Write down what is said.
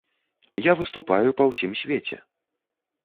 Я выступаю па ўсім свеце.